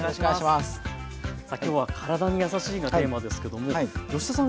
さあきょうは体にやさしいがテーマですけども吉田さん